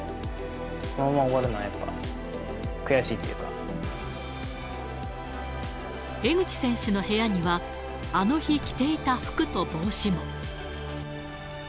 このまま終わるのはやっぱ、江口選手の部屋には、あの日着ていた服と帽子も。